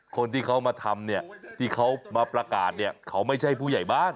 คนที่เขามาทำเนี่ยที่เขามาประกาศเนี่ยเขาไม่ใช่ผู้ใหญ่บ้าน